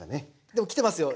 でも来てますよ。